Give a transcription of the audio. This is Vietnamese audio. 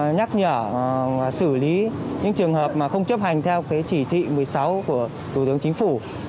nhắc nhở xử lý những trường hợp mà không chấp hành theo chỉ thị một mươi sáu của thủ tướng chính phủ